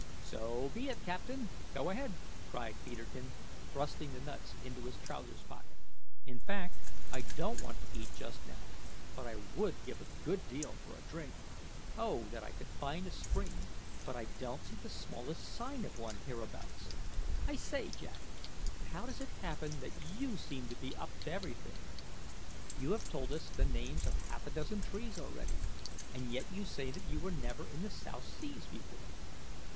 "So be it, captain; go ahead!" cried Peterkin, thrusting the nuts into his trousers pocket. "In fact, I don't want to eat just now; but I would give a good deal for a drink. Oh, that I could find a spring! but I don't see the smallest sign of one hereabouts. I say, Jack, how does it happen that you seem to be up to everything? You have told us the names of half a dozen trees already, and yet you say that you were never in the South Seas before."